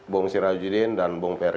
bung sirajudin dan bung ferry